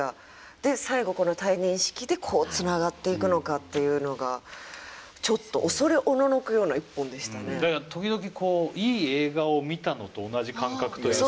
で最後この退任式でこうつながっていくのかっていうのがだから時々こういい映画を見たのと同じ感覚というか。